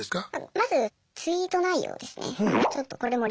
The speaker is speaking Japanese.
まずツイート内容ですね。